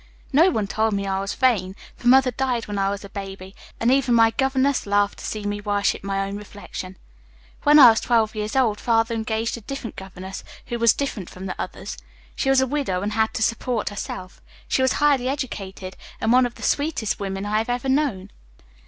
No one told me I was vain, for Mother died when I was a baby, and even my governess laughed to see me worship my own reflection. When I was twelve years old, Father engaged a governess who was different from the others. She was a widow and had to support herself. She was highly educated and one of the sweetest women I have ever known.